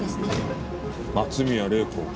松宮玲子？